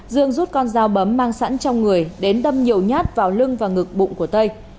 dương rút con dao bấm mang sẵn trong người đến đâm nhiều nhát vào lưng và ngực bụng của tây